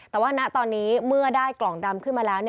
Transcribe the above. แต่ว่าณตอนนี้เมื่อได้กล่องดำขึ้นมาแล้ว